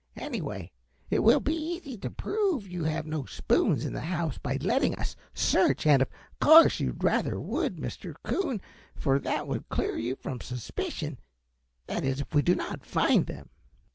Anyway, it will be easy to prove you have no spoons in the house by letting us search, and of course you rather would, Mr. Coon, for that will clear you from suspicion; that is, if we do not find them."